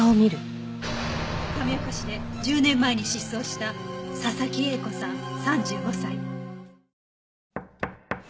亀岡市で１０年前に失踪した佐々木栄子さん３５歳。